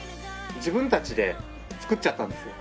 自分たちで作っちゃったんですよ。